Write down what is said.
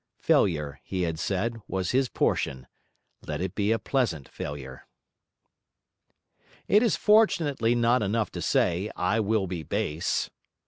Failure, he had said, was his portion; let it be a pleasant failure. It is fortunately not enough to say 'I will be base.'